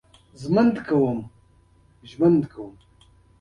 هغې متمدن ژوند تېر کړی چې هر څوک په خپله سليقه وي